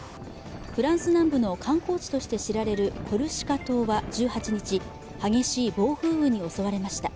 フランス南部の観光地として知られるコルシカ島は１８日、激しい暴風雨に襲われました。